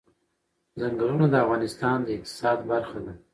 چنګلونه د افغانستان د اقتصاد برخه ده.